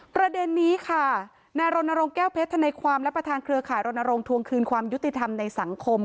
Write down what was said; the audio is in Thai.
ประเด็นนี้ค่ะนายรณรงค์แก้วเพชรธนายความและประธานเครือข่ายรณรงค์ทวงคืนความยุติธรรมในสังคม